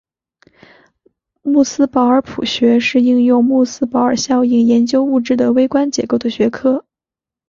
穆斯堡尔谱学是应用穆斯堡尔效应研究物质的微观结构的学科。